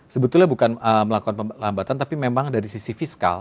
sebetulnya bukan melakukan lambatan tapi memang dari sisi fiskal